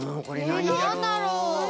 なんだろう？